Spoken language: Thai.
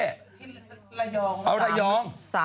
ที่ระยอง